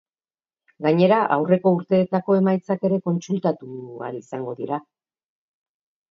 Gainera, aurreko urteetako emaitzak ere kontsultatu ahal izango dira.